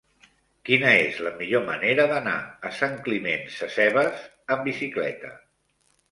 Quina és la millor manera d'anar a Sant Climent Sescebes amb bicicleta?